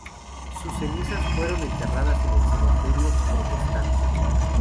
Sus cenizas fueron enterradas en el Cementerio Protestante.